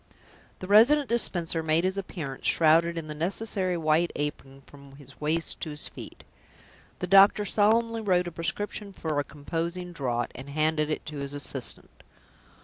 The Resident Dispenser made his appearance shrouded in the necessary white apron from his waist to his feet. The doctor solemnly wrote a prescription for a composing draught, and handed it to his assistant.